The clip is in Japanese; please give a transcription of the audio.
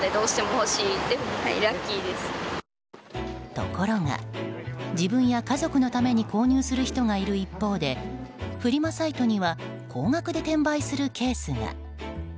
ところが、自分や家族のために購入する人がいる一方でフリマサイトには高額で転売するケースが。